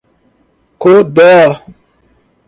Codó